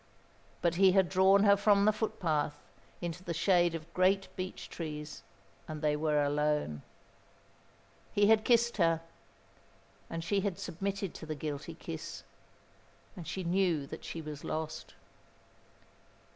But he had drawn her from the footpath into the shade of great beech trees, and they were alone. He had kissed her, and she had submitted to the guilty kiss, and she knew that she was lost.